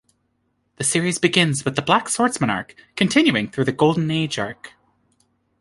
The series begins with the Black Swordsman arc, continuing through the Golden Age arc.